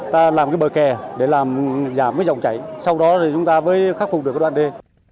ta làm cái bờ kè để làm giảm cái dòng chảy sau đó thì chúng ta mới khắc phục được cái đoạn đê